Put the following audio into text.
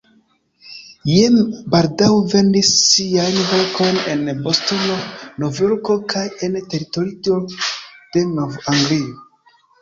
Jam baldaŭ vendis siajn verkojn en Bostono, Nov-Jorko kaj en teritorio de Nov-Anglio.